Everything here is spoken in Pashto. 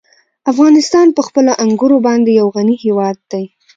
افغانستان په خپلو انګورو باندې یو غني هېواد دی.